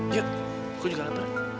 ya aku juga haper